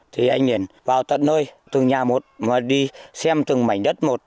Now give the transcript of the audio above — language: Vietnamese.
thì anh liền vào tận nơi từng nhà một và đi xem từng mảnh đất một